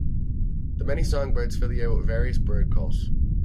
The many song birds fill the air with various birdcalls.